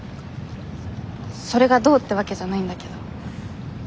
それがどうってわけじゃないんだけど。